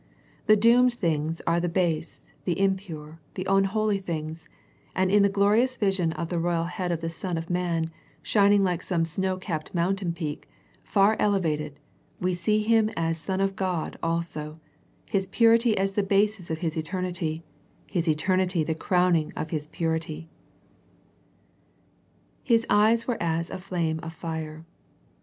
The doomed things are the base, the impure, the ^^ unholy things, and in the glorious vision of the royal head of the Son of man, shining like some snow capped mountain peak, far ele vated, we see Him as Son of God also, His purity the basis of His eternity, His eternity the crowning of His purity. _ ''His eyes were as a Hame of Hre."